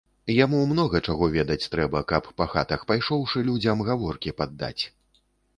Яму многа чаго ведаць трэба, каб, па хатах пайшоўшы, людзям гаворкі паддаць.